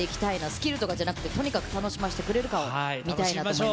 スキルとかじゃなくて、とにかく楽しませてくれるかを見たいなと思います。